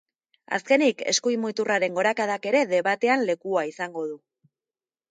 Azkenik, eskuin muturraren gorakadak ere debatean lekua izango du.